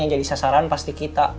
yang jadi sasaran pasti kita